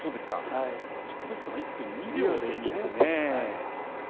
自己ベストが１分２秒０２です。